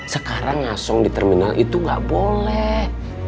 sekarang ngasong di terminal itu gak boleh